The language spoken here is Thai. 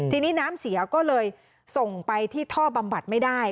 ทีนี้น้ำเสียก็เลยส่งไปที่ท่อบำบัดไม่ได้